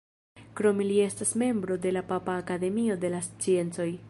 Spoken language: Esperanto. Krome li estas membro de la Papa Akademio de la sciencoj.